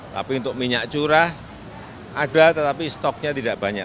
tapi untuk minyak curah ada tetapi stoknya tidak banyak